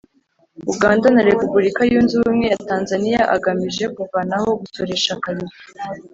Uganda na Repubulika Yunze Ubumwe ya Tanzaniya agamije kuvanaho gusoresha kabiri